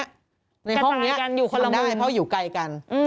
ในห้องนี้ทำได้เพราะอยู่ไกลกันกันตายกันอยู่คนละมืน